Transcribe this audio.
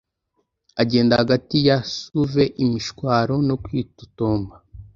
agenda hagati ya suave imishwaro no kwitotomba